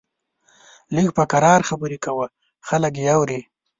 لږ په کرار خبرې کوه، خلک يې اوري!